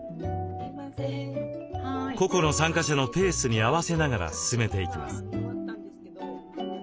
個々の参加者のペースに合わせながら進めていきます。